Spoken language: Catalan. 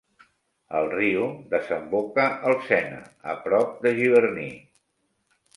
El riu desemboca al Sena, a prop de Giverny.